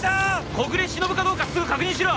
小暮しのぶかどうかすぐ確認しろ！